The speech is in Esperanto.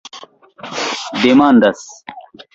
demandas